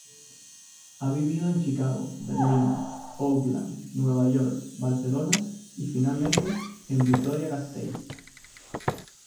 Ha vivido en Chicago, Berlín, Oakland, Nueva York, Barcelona y finalmente en Vitoria-Gasteiz.